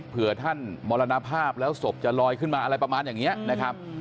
เพื่อท่านมรณภาพแล้วศพจะลอยขึ้นมาอะไรประมาณอย่างนี้นะครับ